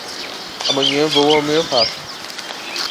Amanhã vou ao homeopata.